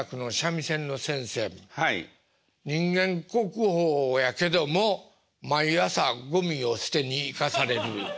人間国宝やけども毎朝ゴミを捨てに行かされるいうて。